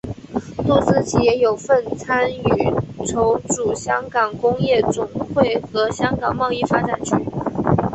林思齐也有份参与筹组香港工业总会和香港贸易发展局。